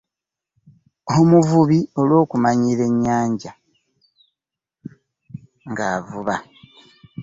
Omuvubi olw'okumanyiira enyanja ng'avuba .